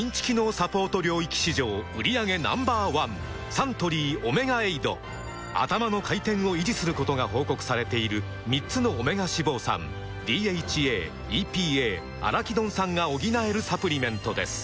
サントリー「オメガエイド」「アタマの回転」を維持することが報告されている３つのオメガ脂肪酸ＤＨＡ・ＥＰＡ・アラキドン酸が補えるサプリメントです